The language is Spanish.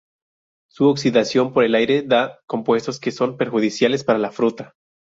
Su oxidación por el aire da compuestos que son perjudiciales para la fruta.